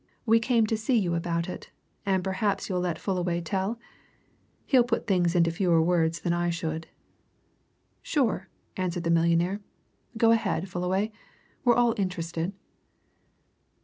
We came to see you about it and perhaps you'll let Fullaway tell! he'll put things into fewer words than I should." "Sure!" answered the millionaire. "Go ahead, Fullaway we're all interested."